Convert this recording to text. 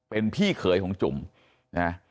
เป็นพี่เขยของจุ่มนะ